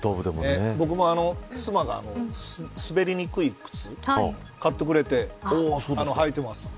僕も妻が滑りにくい靴、買ってくれて履いてます。